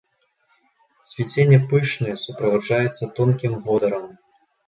Цвіценне пышнае, суправаджаецца тонкім водарам.